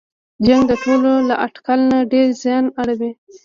جنګ د ټولو له اټکل نه ډېر زیان اړوي.